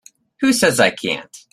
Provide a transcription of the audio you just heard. Who says I can't?